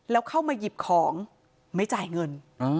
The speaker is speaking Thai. แล้วเข้ามาหยิบของไม่จ่ายเงิน